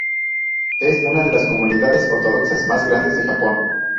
Es una de las comunidades ortodoxas más grandes de Japón.